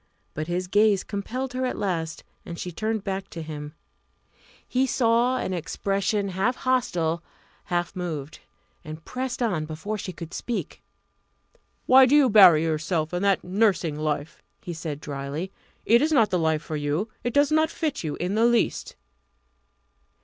But his gaze compelled her at last, and she turned back to him. He saw an expression half hostile, half moved, and pressed on before she could speak. "Why do you bury yourself in that nursing life?" he said drily. "It is not the life for you; it does not fit you in the least."